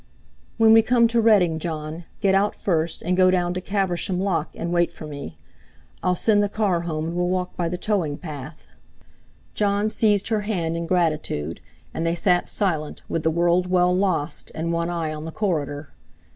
"When we come to Reading, Jon, get out first and go down to Caversham lock and wait for me. I'll send the car home and we'll walk by the towing path." Jon seized her hand in gratitude, and they sat silent, with the world well lost, and one eye on the corridor.